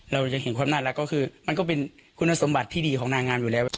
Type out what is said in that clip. เราจะเห็นความน่ารักก็คือมันก็เป็นคุณสมบัติที่ดีของนางงามอยู่แล้ว